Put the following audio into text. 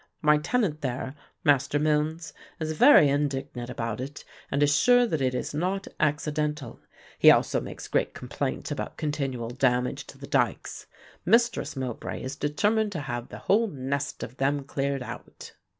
My tenant there, Master Milnes, is very indignant about it and is sure that it is not accidental. He also makes great complaint about continual damage to the dykes. Mistress Mowbray is determined to have the whole nest of them cleared out."